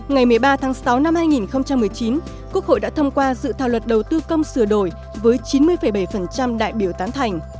ngày một mươi ba tháng sáu năm hai nghìn một mươi chín quốc hội đã thông qua dự thảo luật đầu tư công sửa đổi với chín mươi bảy đại biểu tán thành